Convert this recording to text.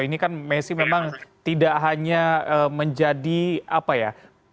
ini kan messi memang tidak hanya menjadi apa ya